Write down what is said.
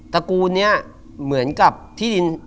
ระกูลนี้เหมือนกับที่ดิน